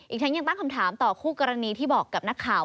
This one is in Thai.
อีกทั้งยังตั้งคำถามต่อคู่กรณีที่บอกกับนักข่าว